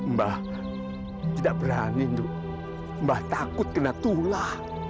mbah tidak berani nuto mbah takut kena tulah